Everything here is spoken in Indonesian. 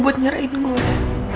buat nyerahin gue